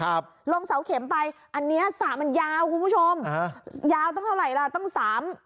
ครับลงเสาเข็มไปอันเนี้ยสระมันยาวคุณผู้ชมฮะยาวตั้งเท่าไหร่ล่ะต้องสาม